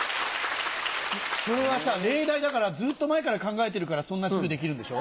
それはさ例題だからずっと前から考えてるからそんなすぐできるんでしょう？